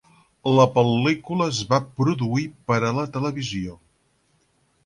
La pel·lícula es va produir per a la televisió.